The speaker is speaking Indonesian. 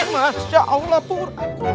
masya allah pur